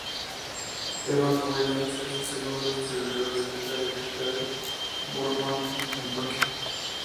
Evan Williams es el segundo distribuidor de venta directa de bourbon en Kentucky.